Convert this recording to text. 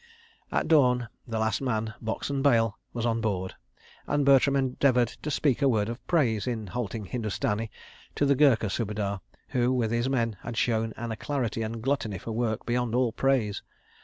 At dawn the last man, box, and bale was on board and Bertram endeavoured to speak a word of praise, in halting Hindustani, to the Gurkha Subedar, who, with his men, had shown an alacrity and gluttony for work, beyond all praise.